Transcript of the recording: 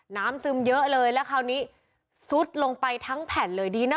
น้ำซึมเยอะเลยและคราวนี้สูตรลงไปทั้งแผ่นเลยดีนะ